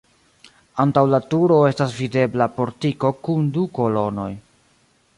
Antaŭ la turo estas videbla portiko kun du kolonoj.